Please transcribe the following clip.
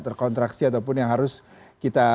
terkontraksi ataupun yang harus kita